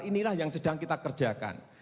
inilah yang sedang kita kerjakan